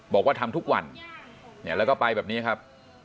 บอกว่าทำทุกวันแล้วก็ไปแบบนี้ครับ